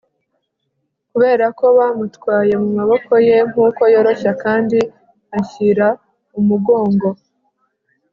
kuberako bamutwaye mumaboko ye nkuko yoroshya kandi anshyira umugongo